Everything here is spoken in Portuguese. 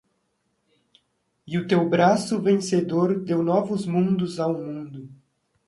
E o teu braço vencedor deu novos mundos ao mundo